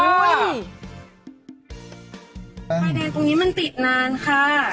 ไฟแดงตรงนี้มันติดนานค่ะ